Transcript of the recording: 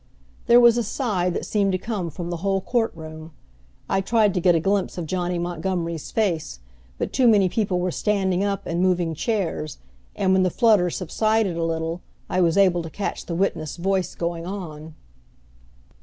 There was a sigh that seemed to come from the whole court room. I tried to get a glimpse of Johnny Montgomery's face, but too many people were standing up, and moving chairs, and when the flutter subsided a little I was able to catch the witness' voice going on.